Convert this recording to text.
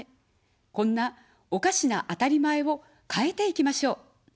こんなおかしなあたりまえを変えていきましょう。